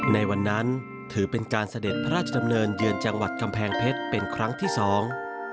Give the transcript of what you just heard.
ในวันนั้นถือเป็นการเสด็จพระราชดำเนินเยือนจังหวัดกำแพงเพชรเป็นครั้งที่สอง